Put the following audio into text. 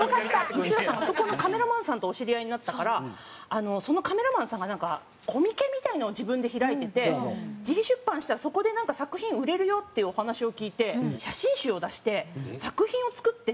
光浦さんそこのカメラマンさんとお知り合いになったからそのカメラマンさんがなんかコミケみたいなのを自分で開いてて自費出版したらそこでなんか作品売れるよっていうお話を聞いて写真集を出して作品を作って自費出版で。